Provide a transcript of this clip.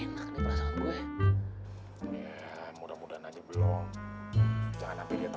mudah mudahan aja belum jangan sampai dia tahu juga makanya gue simpen rahasia baik baiknya